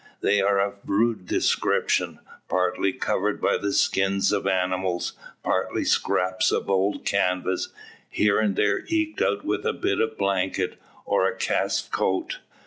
They are of rude description, partly covered by the skins of animals, partly scraps of old canvas, here and there eked out with a bit of blanket, or a cast coat.